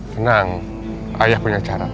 tenang ayah punya cara